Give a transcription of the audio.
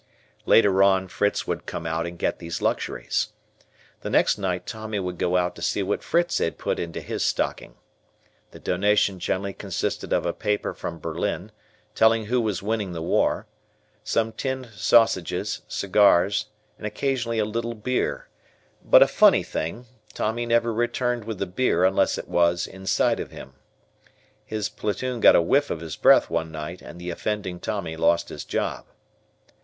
Later on Fritz would come out and get these luxuries. The next night Tommy would go out to see what Fritz had put into his stocking. The donation generally consisted of a paper from Berlin, telling who was winning the war, some tinned sausages, cigars, and occasionally a little beer, but a funny thing, Tommy never returned with the beer unless it was inside of him. His platoon got a whiff of his breath one night and the offending Tommy lost his job.